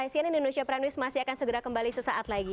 cnn indonesia pranwis masih akan segera kembali sesaat lagi